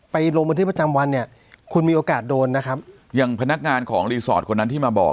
ไปลงบันทึกประจำวันเนี้ยคุณมีโอกาสโดนนะครับ